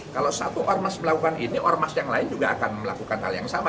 kalau satu ormas melakukan ini ormas yang lain juga akan melakukan hal yang sama